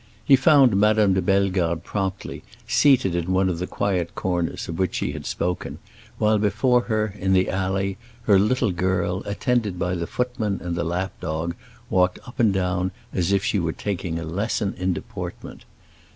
He found Madame de Bellegarde promptly, seated in one of the quiet corners of which she had spoken, while before her, in the alley, her little girl, attended by the footman and the lap dog, walked up and down as if she were taking a lesson in deportment.